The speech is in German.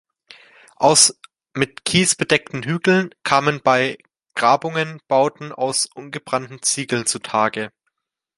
Aus mit Kies bedeckten Hügeln kamen bei Grabungen Bauten aus ungebrannten Ziegeln zutage.